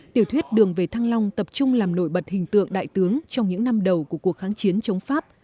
tiểu thuyết đường về thăng long tập trung làm nổi bật hình tượng đại tướng trong những năm đầu của cuộc kháng chiến chống pháp